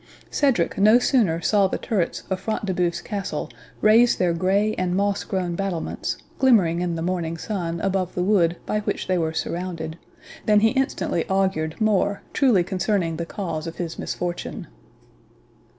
Cedric no sooner saw the turrets of Front de Bœuf's castle raise their grey and moss grown battlements, glimmering in the morning sun above the wood by which they were surrounded, than he instantly augured more truly concerning the cause of his misfortune.